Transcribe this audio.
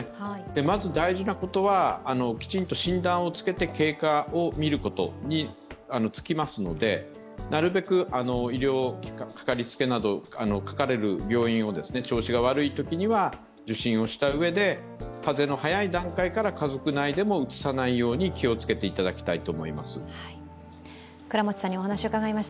まず大事なことは、きちんと診断をつけて経過を見ることにつきますのでなるべくかかりつけ医など、かかれる病院など、調子が悪いときには受診をしたうえで、早い段階から家族内でもうつさないように気をつけていただきたいと。